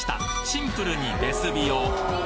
シンプルにベスビオ！